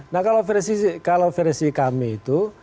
nah kalau versi kami itu